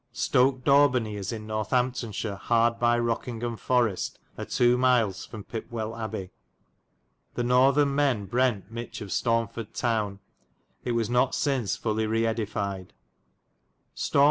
Stoke Dawbeney is in Northamptonshire hard by Rokyng ham Forest a 2. miles from Pipwell Abbay. The northen men brent miche of Staunford towne. It Lincoln was not synce fully reedified. shire.